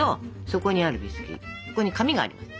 そこに紙があります。